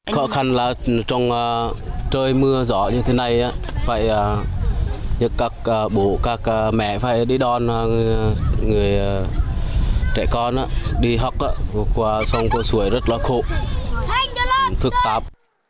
khó khăn là trong trời mưa gió như thế này các bố các mẹ phải đi đón trẻ con đi học qua sông cô suổi rất là khổ thức tạp